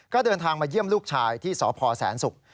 ก็เดินทางมาเยี่ยมลูกชายที่สพแสนศุกร์